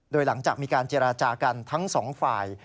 โดยหลังจากมีการเจรจากันทั้งสองฝ่าย